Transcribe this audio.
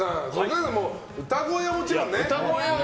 歌声はもちろんね。